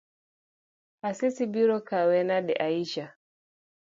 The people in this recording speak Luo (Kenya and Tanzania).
Asisi biro kawe nade Aisha?